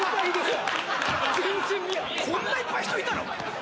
こんないっぱい人いたの？